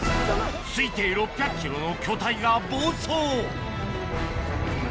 推定６００ｋｇの巨体が暴走！